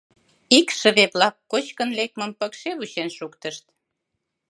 Икшыве-влак кочкын лекмым пыкше вучен шуктышт.